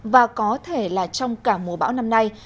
và có thể là trong cả mùa bão năm nay